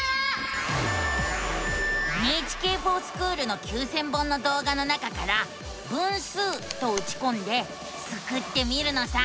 「ＮＨＫｆｏｒＳｃｈｏｏｌ」の９，０００本の動画の中から「分数」とうちこんでスクってみるのさ！